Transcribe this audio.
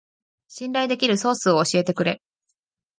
信頼できるソースを教えてくれ